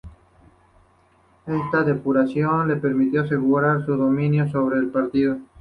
Esta depuración le permitió asegurar su dominio sobre el partido.